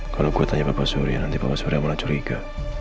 kalo gue tanya bapak surya nanti bapak surya mau curiga